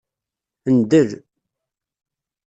Ndel.